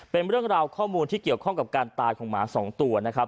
เป็นเรื่องราวข้อมูลที่เกี่ยวข้องกับการตายของหมา๒ตัวนะครับ